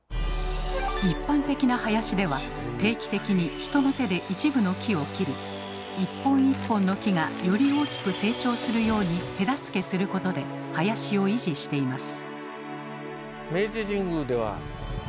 一般的な林では定期的に人の手で一部の木を切り一本一本の木がより大きく成長するように手助けすることで林を維持しています。